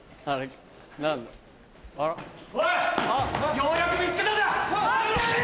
ようやく見つけたぞ！